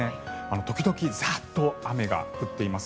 時々、ザッと雨が降っています。